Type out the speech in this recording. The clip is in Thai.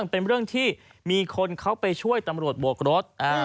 เป็นเรื่องที่มีคนเขาไปช่วยตำรวจบวกรถ